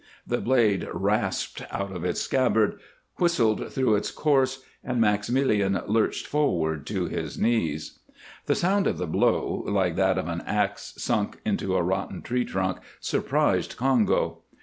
The blade rasped out of its scabbard, whistled through its course, and Maximilien lurched forward to his knees. The sound of the blow, like that of an ax sunk into a rotten tree trunk, surprised Congo.